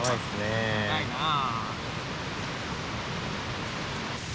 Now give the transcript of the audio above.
高いなあ。